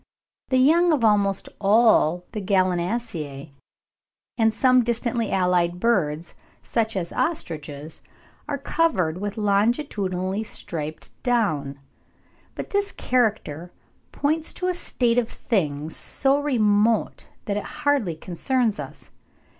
The young of almost all the Gallinaceae, and of some distantly allied birds such as ostriches, are covered with longitudinally striped down; but this character points back to a state of things so remote that it hardly concerns us.